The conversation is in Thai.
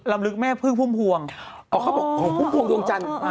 ลำลึกแม่พึ่งพุ่มพวงอ๋อเขาบอกของพุ่มพวงดวงจันทร์